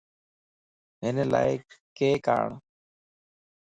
ھن لاڪيڪ آڻ